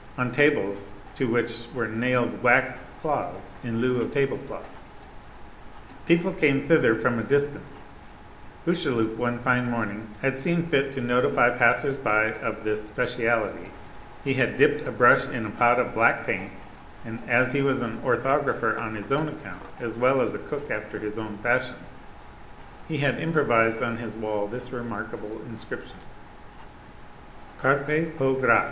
on tables to which were nailed waxed cloths in lieu of table cloths. People came thither from a distance. Hucheloup, one fine morning, had seen fit to notify passers by of this "specialty"; he had dipped a brush in a pot of black paint, and as he was an orthographer on his own account, as well as a cook after his own fashion, he had improvised on his wall this remarkable inscription:— CARPES HO GRAS.